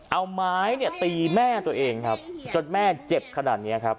เอาไม้เนี่ยตีแม่ตัวเองครับจนแม่เจ็บขนาดนี้ครับ